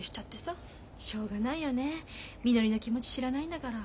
しょうがないよねみのりの気持ち知らないんだから。